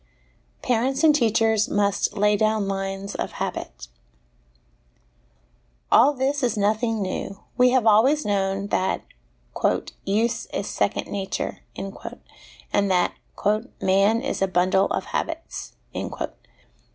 Parents and Teachers must lay down Lines of Habit. All this is nothing new ; we have always known that ' use is second nature/ and that ' man is a bundle of habits.'